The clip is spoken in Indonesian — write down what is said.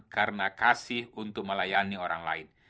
karena kasih untuk melayani orang lain